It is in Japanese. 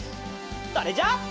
それじゃあ。